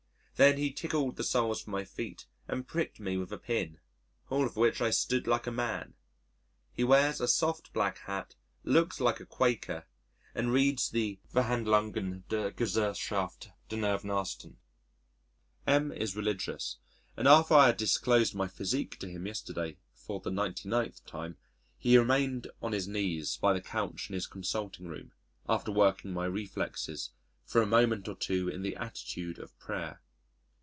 Then he tickled the soles of my feet and pricked me with a pin all of which I stood like a man. He wears a soft black hat, looks like a Quaker, and reads the Verhandlungen d. Gesellschaft d. Nervenarzten. M is religious and after I had disclosed my physique to him yesterday (for the 99th time) he remained on his knees by the couch in his consulting room (after working my reflexes) for a moment or two in the attitude of prayer.